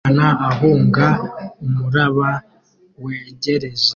Umwana ahunga umuraba wegereje